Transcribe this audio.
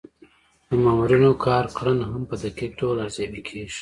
د مامورینو کارکړنه هم په دقیق ډول ارزیابي کیږي.